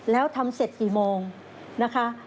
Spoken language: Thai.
แล้วทำเสร็จกี่โมงนะคะ